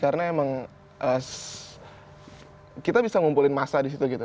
karena emang kita bisa ngumpulin massa disitu gitu